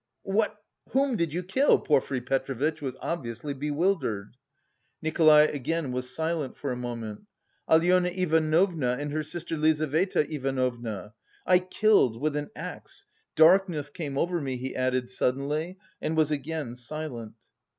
what... whom did you kill?" Porfiry Petrovitch was obviously bewildered. Nikolay again was silent for a moment. "Alyona Ivanovna and her sister Lizaveta Ivanovna, I... killed... with an axe. Darkness came over me," he added suddenly, and was again silent.